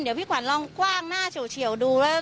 เดี๋ยวพี่ขวัญลองกว้างหน้าเฉียวดูว่า